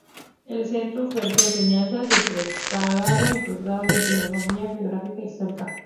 El centro oferta enseñanzas de pregrado y posgrado en filología, geografía e historia.